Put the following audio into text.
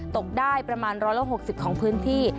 ตกได้ประมาณ๑๖๐ของพื้นที่